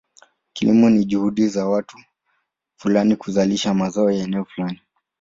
Kilimo ni juhudi za watu fulani kuzalisha mazao eneo fulani.